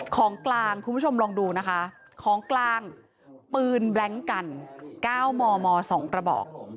ของกลางคุณผู้ชมลองดูนะคะของกลางปืนแบล็งกัน๙มม๒กระบอก